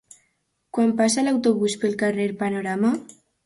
Quan passa l'autobús pel carrer Panorama?